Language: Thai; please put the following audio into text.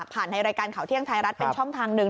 ในรายการข่าวเที่ยงไทยรัฐเป็นช่องทางหนึ่ง